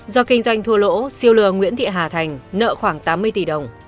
do kinh doanh thua lỗ siêu lừa nguyễn thị hà thành nợ khoảng tám mươi tỷ đồng